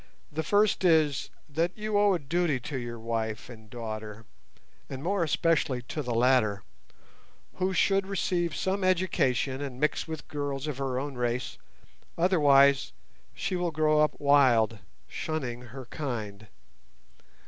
The first is, that you owe a duty to your wife and daughter, and more especially to the latter, who should receive some education and mix with girls of her own race, otherwise she will grow up wild, shunning her kind.